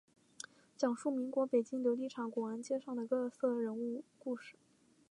讲述民国北京琉璃厂古玩街上的各色人物故事。